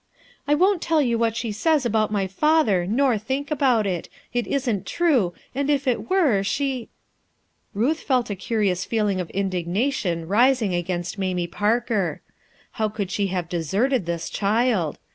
"I won't tell you what she gays about my father, nor think about it. It isn't true, ail J if it were, she —" Kuth felt a curious feeling of indignation ris ing against Mamie Parker. How could she have deserted this child